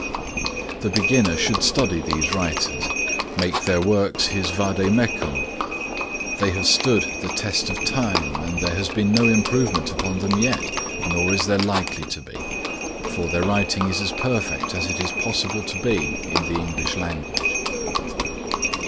The beginner should study these writers, make their works his vade mecum, they have stood the test of time and there has been no improvement upon them yet, nor is there likely to be, for their writing is as perfect as it is possible to be in the English language.